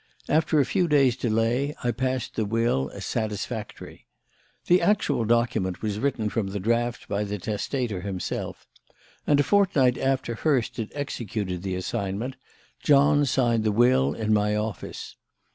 After a few days' delay, I passed the will as satisfactory. The actual document was written from the draft by the testator himself; and a fortnight after Hurst had executed the assignment, John signed the will in my office.